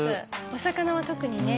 お魚は特にね。